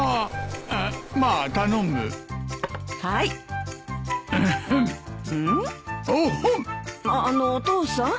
あのお父さん？